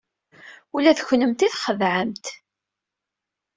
Ula d kennemti txedɛemt!